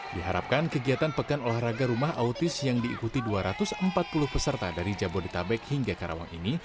diharapkan kegiatan pekan olahraga rumah autis yang diikuti dua ratus empat puluh peserta dari jabodetabek hingga karawang ini